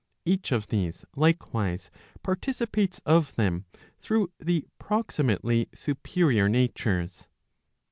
Each of these likewise participates of them through the proximately superior natures.